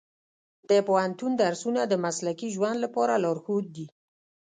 د پوهنتون درسونه د مسلکي ژوند لپاره لارښود دي.